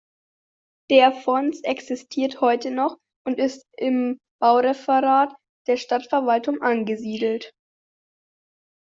Der Fonds existiert heute noch und ist im Baureferat der Stadtverwaltung angesiedelt.